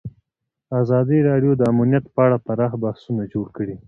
ازادي راډیو د امنیت په اړه پراخ بحثونه جوړ کړي.